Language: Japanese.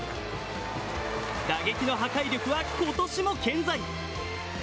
打撃の破壊力はことしも健在。